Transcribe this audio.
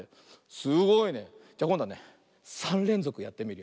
すごいね。じゃこんどはね３れんぞくやってみるよ。